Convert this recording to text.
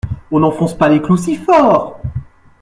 On n’enfonce pas les clous si fort.